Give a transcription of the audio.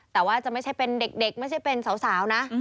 แต่ว่าจะไม่ใช่เป็นเด็กไม่ใช่เป็นสาวนะ